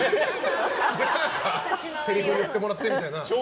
何か、せりふを言ってもらってみたいな。